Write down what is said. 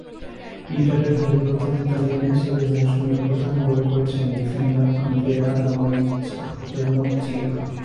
ইন্টারের হয়ে প্রথম ইতালিয়ান হিসেবে মৌসুমে প্রথম গোল করেছেন ডিফেন্ডার আন্দ্রেয়া রানোচ্চিয়া।